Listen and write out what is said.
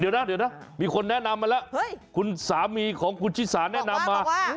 เดี๋ยวนะเดี๋ยวนะมีคนแนะนำมาแล้วคุณสามีของคุณชิสาแนะนำมา